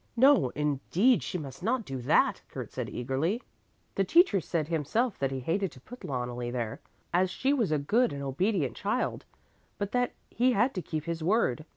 "No, indeed, she must not do that," Kurt said eagerly. "The teacher said himself that he hated to put Loneli there, as she was a good and obedient child, but that he had to keep his word.